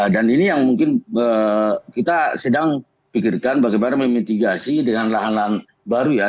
dan ini yang mungkin kita sedang pikirkan bagaimana memitigasi dengan lahan lahan baru ya